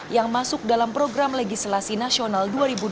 yang masuk dalam program legislasi nasional dua ribu dua puluh